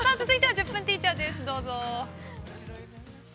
◆「１０分ティーチャー」。